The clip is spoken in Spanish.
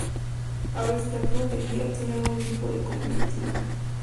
A veces la cruz de guía tiene algún tipo de comitiva.